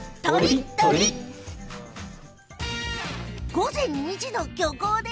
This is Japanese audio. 午前２時の漁港。